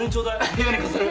部屋に飾る。